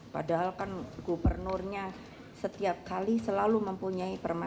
padahal kan gubernurnya setiap kali selalu mempunyai permasalahan